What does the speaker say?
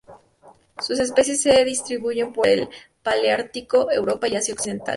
Sus especies se distribuyen por el paleártico: Europa y Asia Occidental.